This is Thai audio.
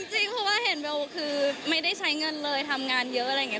จริงเพราะว่าเห็นเบลคือไม่ได้ใช้เงินเลยทำงานเยอะอะไรอย่างนี้